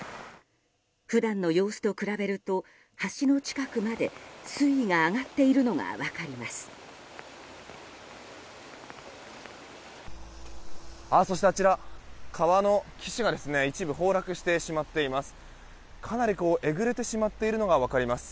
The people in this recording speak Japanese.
普段の様子と比べると橋の近くまで水位が上がっているのが分かります。